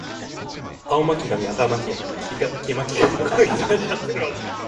青巻紙赤巻紙黄巻紙